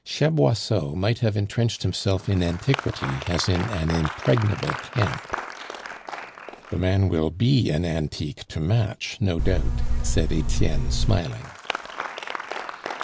Chaboisseau might have entrenched himself in antiquity as in an impregnable camp. "The man will be an antique to match, no doubt," said Etienne, smiling.